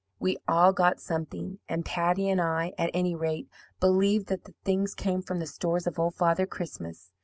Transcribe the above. We all got something; and Patty and I, at any rate, believed that the things came from the stores of Old Father Christmas.